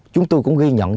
chúng tôi cũng ghi nhận